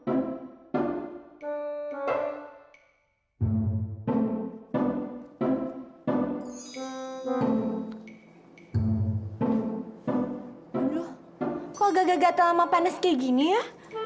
aduh kok agak agak terlalu panas kayak gini ya